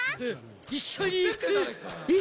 一緒に行く！えっ！？